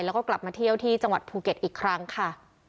แล้วก็กลับมาเที่ยวที่จังหวัดภูเก็ตอีกครั้งค่ะ